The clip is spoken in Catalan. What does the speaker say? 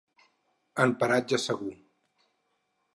En paratge segur.